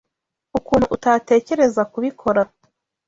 Ukuntu utatekereza kubikora.